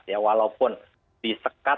ya walaupun disekat